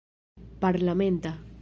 parlamenta